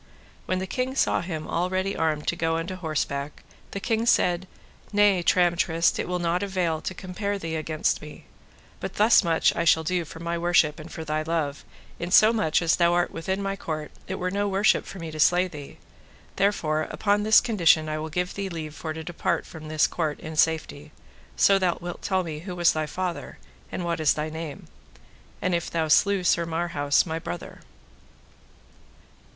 When the king saw him all ready armed to go unto horseback, the king said: Nay, Tramtrist, it will not avail to compare thee against me; but thus much I shall do for my worship and for thy love; in so much as thou art within my court it were no worship for me to slay thee: therefore upon this condition I will give thee leave for to depart from this court in safety, so thou wilt tell me who was thy father, and what is thy name, and if thou slew Sir Marhaus, my brother.